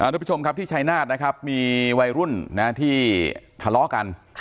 ทุกผู้ชมครับที่ชายนาฏนะครับมีวัยรุ่นที่ทะเลาะกัน